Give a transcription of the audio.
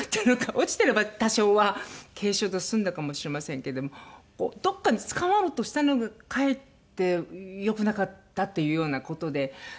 落ちてれば多少は軽傷で済んだかもしれませんけどもどっかにつかまろうとしたのがかえってよくなかったというような事で。